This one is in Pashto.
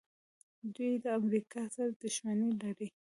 دوی له امریکا سره دښمني لري.